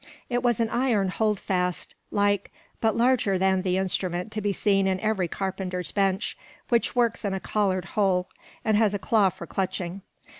It was an iron hold fast, like, but larger than the instrument to be seen in every carpenter's bench, which works in a collared hole, and has a claw for clutching.